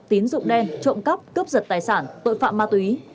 tín dụng đen trộm cắp cướp giật tài sản tội phạm ma túy